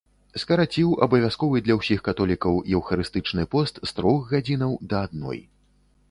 Скараціў абавязковы для ўсіх католікаў еўхарыстычны пост з трох гадзінаў да адной.